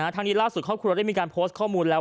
ทางนี้ล่าสุดครอบครัวได้มีการโพสต์ข้อมูลแล้ว